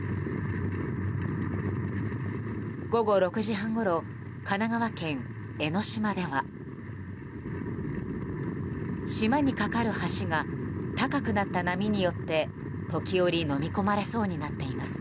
午後６時半ごろ神奈川県江の島では島に架かる橋が高くなった波によって時折、のみ込まれそうになっています。